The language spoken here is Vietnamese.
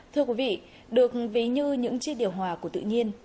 thưa quý vị được ví như những chiếc điều hòa của tự nhiên